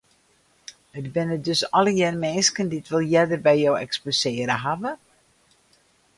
It binne dus allegear minsken dy't wol earder by jo eksposearre hawwe?